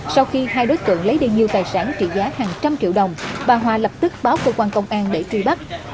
sau khi hai đối tượng lấy đi nhiều tài sản trị giá hàng trăm triệu đồng bà hòa lập tức báo cơ quan công an để truy bắt